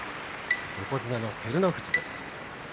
横綱の照ノ富士です。